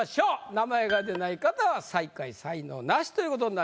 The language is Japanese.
名前が出ない方は最下位才能ナシということになります。